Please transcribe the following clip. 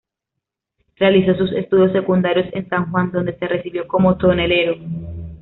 Realizó sus estudios secundarios en San Juan, donde se recibió como tonelero.